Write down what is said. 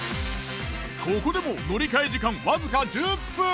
ここでも乗り換え時間わずか１０分！